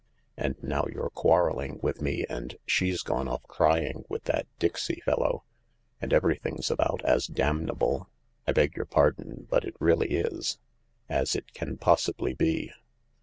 And now you're quarrelling with me, and she's gone off crying with that Dixy fellow, and everything's about as damnable — I beg your pardon, but it really is — as it can possibly be."